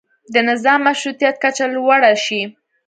د نظام مشروطیت کچه لوړه شي.